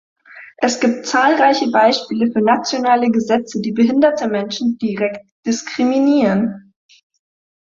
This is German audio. Es gibt zahlreiche Beispiele für nationale Gesetze, die behinderte Menschen direkt diskriminieren.